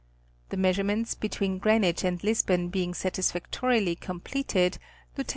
The meas urement between Greenwich and Lisbon being satisfactorily completed. Lieut.